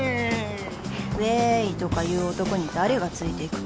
「ウェイ！」とか言う男に誰がついていくか